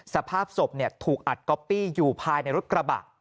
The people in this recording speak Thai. สภาพศพถูกอัดก๊อปปี้อยู่ภายในรถกระบะ